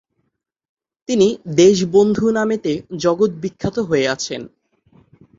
তিনি "দেশবন্ধু" নামেতে জগৎ বিখ্যাত হয়ে আছেন।